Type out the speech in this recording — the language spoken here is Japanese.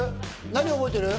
何覚えてる？